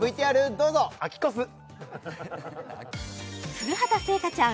古畑星夏ちゃん